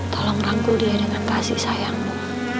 tolong rangkul dia dengan kasih sayangmu